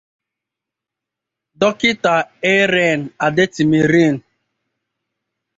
Dọkịta Airen Adetimirin